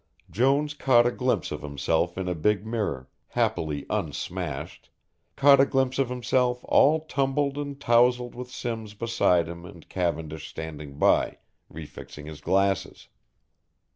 Jones caught a glimpse of himself in a big mirror, happily un smashed, caught a glimpse of himself all tumbled and towsled with Simms beside him and Cavendish standing by, re fixing his glasses.